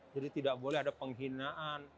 jadi tidak boleh ada penghinaan